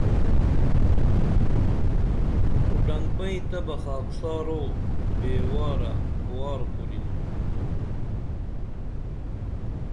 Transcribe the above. خو ڈنگبئیں تہ بہ خاکسارو بے وارہ وار کُرینُن